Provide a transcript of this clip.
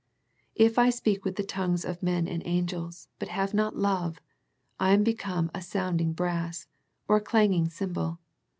" If I speak with the tongues of men and of angels, but have not love, I am be come sounding brass, or a clanging cymbal.